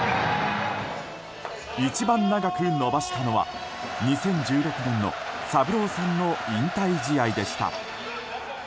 一番長く伸ばしたのは２０１６年のサブローさんの引退試合でした。